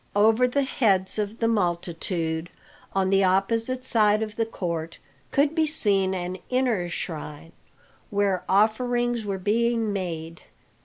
Over the heads of the multitude, on the opposite side of the court, could be seen an inner shrine, where offerings were being made.